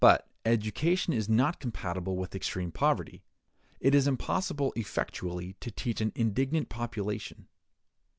[But] education is not compatible with extreme poverty. It is impossible effectually to teach an indigent population.